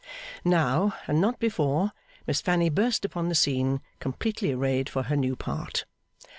Now, and not before, Miss Fanny burst upon the scene, completely arrayed for her new part.